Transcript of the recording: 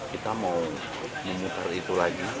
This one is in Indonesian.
kita mau memutar itu lagi